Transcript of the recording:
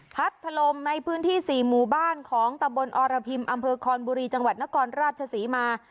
พัดถล่มในพื้นที่๔หมู่บ้านของตะบนอรพิมอำเภอคอนบุรีจังหวัดนครราชศรีมา